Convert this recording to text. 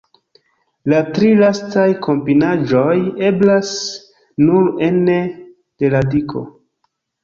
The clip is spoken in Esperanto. La tri lastaj kombinaĵoj eblas nur ene de radiko.